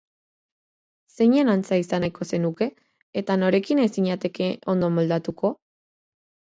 Zeinen antza izan nahiko zenuke eta norekin ez zinateke ondo moldatuko?